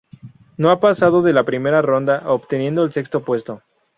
No ha pasado de la primera ronda, obteniendo el sexto puesto.